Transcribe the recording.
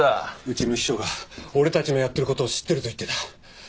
うちの秘書が俺たちのやってる事を知ってると言ってた。